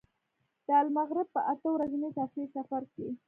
د المغرب په اته ورځني تفریحي سفر کې.